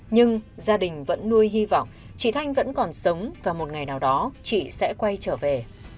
nhưng gia đình vẫn nuôi hy vọng chị thanh vẫn còn sống và một ngày nào đó chị sẽ quay trở về